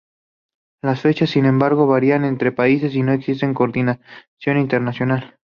Las fechas, sin embargo, variaban entre países y no existía coordinación internacional.